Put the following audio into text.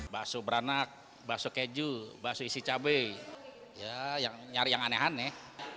bakso beranak bakso keju bakso isi cabai yang nyari yang aneh aneh